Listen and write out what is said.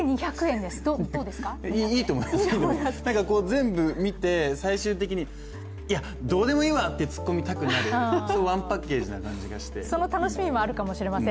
全部見て、最終的にどうでもいいわ！とつっこみたくなる、ワンパッケージな感じがして、いい。